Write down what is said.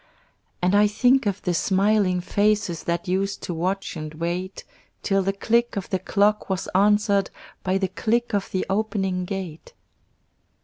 And I think of the smiling faces That used to watch and wait, Till the click of the clock was answered By the click of the opening gate.